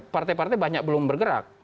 partai partai banyak belum bergerak